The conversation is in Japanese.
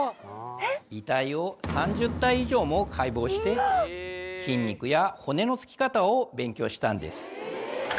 遺体を３０体以上も解剖して筋肉や骨のつき方を勉強したんです